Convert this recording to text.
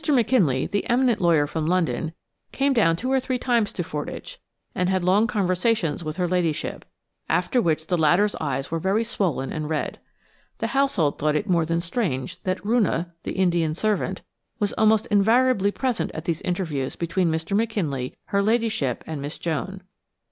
McKinley, the eminent lawyer from London, came down two or three times to Fordwych, and held long conversations with her ladyship, after which the latter's eyes were very swollen and red. The household thought it more than strange that Roonah, the Indian servant, was almost invariably present at these interviews between Mr. McKinley, her ladyship, and Miss Joan.